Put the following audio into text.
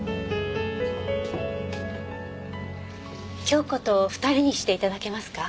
京子と２人にして頂けますか？